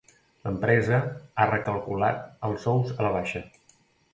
L'empresa ha recalculat els sous a la baixa.